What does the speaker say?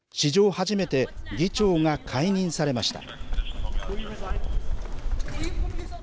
初めて議長が解任されました。